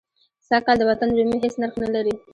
سږ کال د وطن رومي هېڅ نرخ نه لري.